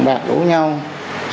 họ không có như đàn ông